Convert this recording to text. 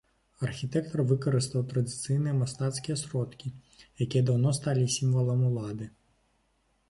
Архітэктар выкарыстаў традыцыйныя мастацкія сродкі, якія даўно сталі сімвалам улады.